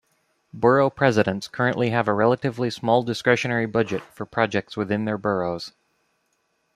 Borough presidents currently have a relatively small discretionary budget for projects within their boroughs.